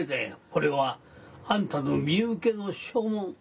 これはあんたの身請けの証文。